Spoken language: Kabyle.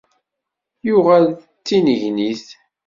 Yuɣal tinnegnit.